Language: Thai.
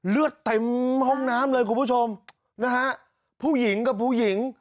เลือดเต็มห้องน้ำเลยคุณผู้ชมนะฮะผู้หญิงกับผู้หญิง